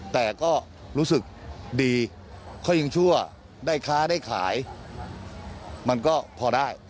แต่ก็รู้สึกดีเขายังชั่วได้ค้าได้ขายมันก็พอได้